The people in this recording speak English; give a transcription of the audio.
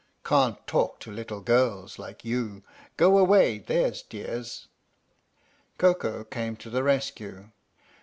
" Can't talk to little girls like you. Go away, there 's dears." Koko came to the rescue.